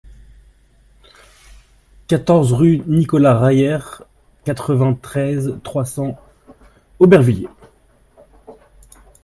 quatorze rue Nicolas Rayer, quatre-vingt-treize, trois cents, Aubervilliers